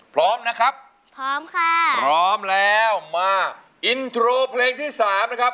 พร้อมนะครับพร้อมค่ะพร้อมแล้วมาอินโทรเพลงที่สามนะครับ